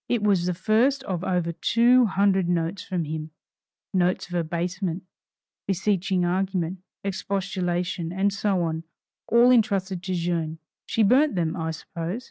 It was the first of over two hundred notes from him, notes of abasement, beseeching argument, expostulation, and so on, all entrusted to Jeanne. She burnt them, I suppose.